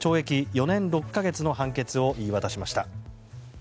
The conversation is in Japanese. ４年６か月の判決を言い渡しました。